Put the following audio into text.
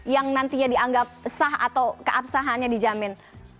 yang nantinya dianggap sah atau keabsahannya dijamin